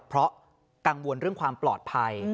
เพราะกังวลเรื่องความปลอดภัย